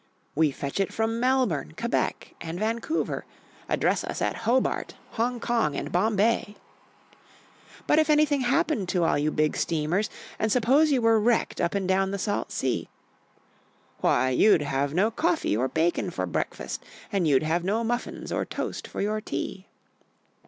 "We fetch it from Melbourne, Quebec, and Vancouver, Address us at Hobart, Hong kong, and Bombay." "But if anything happened to all you Big Steamers, And suppose you were wrecked up and down the salt sea?" "Why, you'd have no coffee or bacon for breakfast, And you'd have no muffins or toast for your tea."